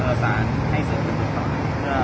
แม้กระทั่งจำทุกข์ถือสนใจ